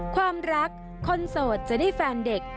ความรักคนโสดจะได้แฟนเด็ก